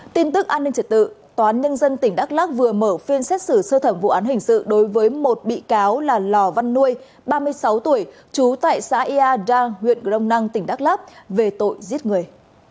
tin tức an ninh trật tự tòa án nhân dân tỉnh đắk lắc vừa mở phiên xét xử sơ thẩm vụ án hình sự đối với một bị cáo là lò văn nuôi ba mươi sáu tuổi trú tại xã ia da huyện grong năng tỉnh đắk lắc về tội giết người